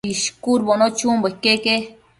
ishcudbono chunbo iqueque